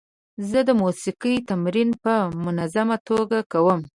زه د موسیقۍ تمرین په منظمه توګه کوم.